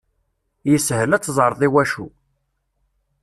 Yeshel ad teẓreḍ iwacu.